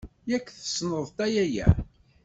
Yak tessneḍ-t a yaya.